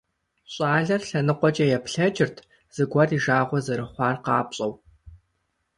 Щӏалэр лъэныкъуэкӏэ еплъэкӏырт, зыгуэр и жагъуэ зэрыхъуар къапщӀэу.